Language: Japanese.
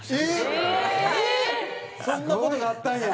そんな事があったんや。